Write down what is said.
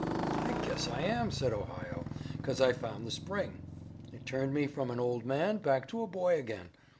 "I guess I am," said Ohio, "'cause I found the spring. It turned me from an old man back to a boy again.